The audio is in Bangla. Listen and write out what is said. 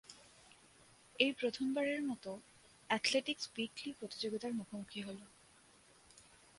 এই প্রথমবারের মতো "অ্যাথলেটিক্স উইকলি"প্রতিযোগিতার মুখোমুখি হল।